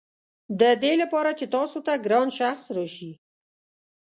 ددې لپاره چې تاسو ته ګران شخص راشي.